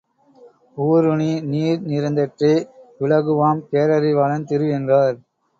ஊருணி நீர்நிறைந் தற்றே யுலகுவாம் பேரறி வாளன் திரு என்றார்.